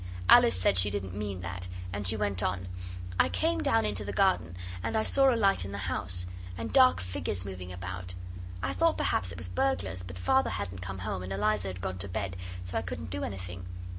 Alice said she didn't mean that, and she went on 'I came down into the garden, and I saw a light in the house, and dark figures moving about. I thought perhaps it was burglars, but Father hadn't come home, and Eliza had gone to bed, so I couldn't do anything.